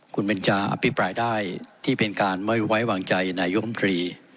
คุณเบนจาอภิปรายได้ที่เป็นการไม่ไว้วางใจนายมตรี